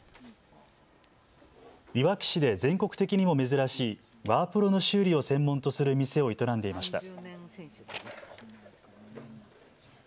いわき市で全国的にも珍しいワープロの修理を専門とする店を営んでいました。